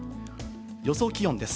予想気温です。